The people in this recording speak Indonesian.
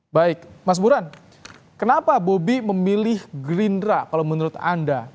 baik mas buran kenapa bobi memilih gerindra kalau menurut anda